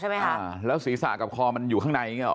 ใช่ไหมครับแล้วภาพเพื่อสะกลับว่ามันอยู่ข้างใน